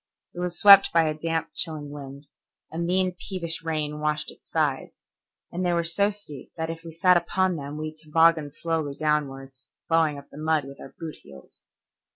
It was swept by a damp, chilling wind; a mean, peevish rain washed its sides, and they were so steep that if we sat upon them we tobogganed slowly downward, ploughing up the mud with our boot heels.